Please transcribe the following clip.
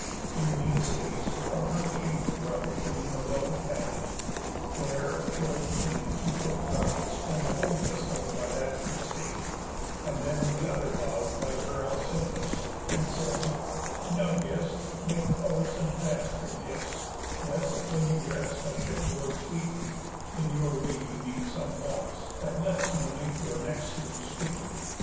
In mean space, from her chamber brought the queen A wealthy cabinet, where, pure and clean, She put the garments, and the gold bestow'd By that free state, and then the other vow'd By her Alcinous, and said: "Now, guest, Make close and fast your gifts, lest, when you rest Aship board sweetly, in your way you meet Some loss, that less may make your next sleep sweet."